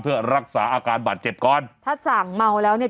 เพื่อรักษาอาการบาดเจ็บก่อนถ้าสั่งเมาแล้วเนี่ย